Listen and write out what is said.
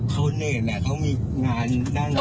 เขาเน่นแหละเขามีงานหน้างาน